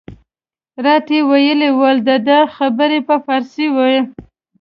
راته ویې ویل د ده خبرې په فارسي وې.